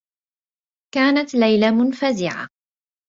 كانت ليلى منفزعة.